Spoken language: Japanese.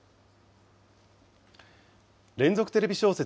連続テレビ小説